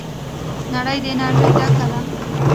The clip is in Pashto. نړۍ د انرژۍ ډکه ده.